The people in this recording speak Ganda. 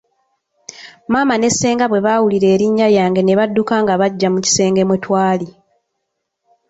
Maama ne ssenga bwe baawulira erinnya lyange ne badduka nga bajja mu kisenge mwe twali.